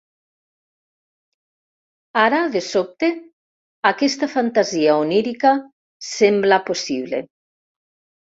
Ara, de sobte, aquesta fantasia onírica sembla possible.